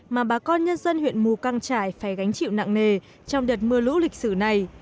mà bà con nhân dân huyện mù căng trải phải gánh chịu nặng nề trong đợt mưa lũ lịch sử này